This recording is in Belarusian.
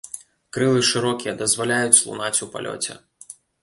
Крылы шырокія, дазваляюць лунаць у палёце.